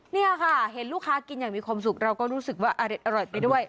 นี่ค่ะเห็นลูกค้ากินอย่างมีความสุขเราก็รู้สึกว่าอร่อยไปด้วย